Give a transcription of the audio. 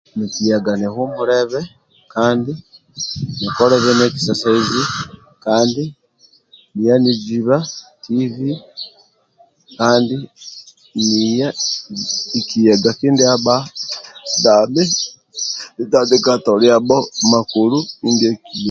nkiyaga nihumulabe kandi nikola na ekisasaizi kandi niya niziba tv kandi niya nkiyaga kindia ba dami nitandika toliyabo